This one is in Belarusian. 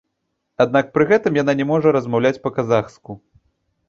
Аднак пры гэтым яна не можа размаўляць па-казахску.